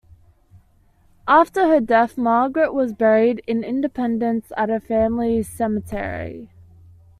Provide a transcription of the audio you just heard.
After her death, Margaret was buried in Independence at her family's cemetery.